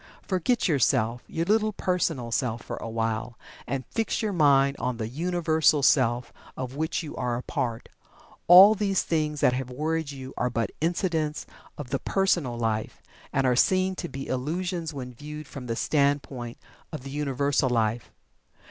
Forget yourself your little personal self for a while, and fix your mind on the Universal Self of which you are a part. All these things that have worried you are but incidents of the Personal Life, and are seen to be illusions when viewed from the standpoint of the Universal Life.